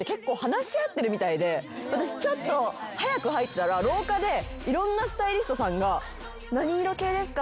私ちょっと早く入ったら廊下でいろんなスタイリストさんが何色系ですか？